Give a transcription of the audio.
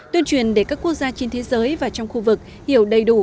tuyên truyền để các quốc gia trên thế giới và trong khu vực hiểu đầy đủ